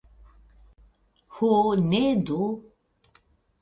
Ho ne do!